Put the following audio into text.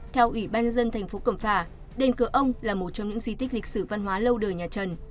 theo ủy ban dân thành phố cẩm phả đền cửa ông là một trong những di tích lịch sử văn hóa lâu đời nhà trần